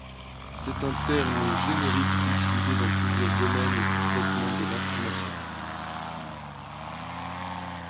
C'est un terme générique utilisé dans plusieurs domaines du traitement de l'information.